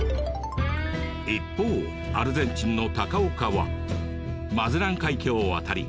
一方アルゼンチンの高岡はマゼラン海峡を渡り